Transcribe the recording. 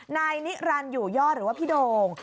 นายนิรันดิอยู่ยอดหรือว่าพี่โดง